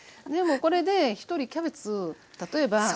でもこれで１人キャベツ例えば。